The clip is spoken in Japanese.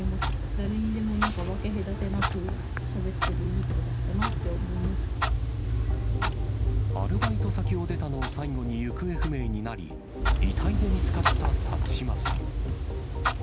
誰にでも分け隔てなくしゃべってる、いい子だったなって思いましアルバイト先を出たのを最後に行方不明になり、遺体で見つかった辰島さん。